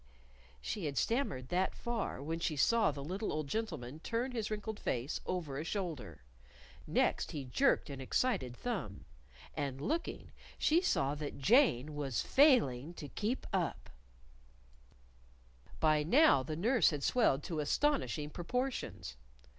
She had stammered that far when she saw the little old gentleman turn his wrinkled face over a shoulder. Next, he jerked an excited thumb. And looking, she saw that Jane was failing to keep up. By now the nurse had swelled to astonishing proportions.